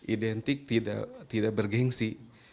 identik tidak bergensi